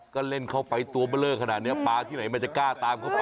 ก็เล่นเข้าไปตัวเบอร์เลอร์ขนาดนี้ปลาที่ไหนมันจะกล้าตามเข้าไป